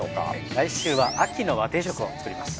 来週は秋の和定食を作ります。